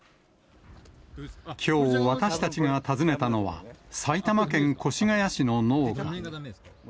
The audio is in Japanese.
きょう、私たちが訪ねたのは、埼玉県越谷市の農家。